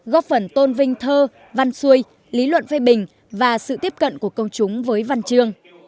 góp phần tôn vinh thơ văn xuôi lý luận phê bình và sự tiếp cận của công chúng với văn chương